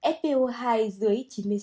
năm spo hai dưới chín mươi sáu